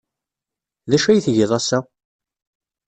D acu ay tgiḍ ass-a?